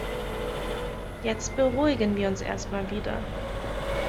Jetzt beruhigen wir uns erst mal wieder.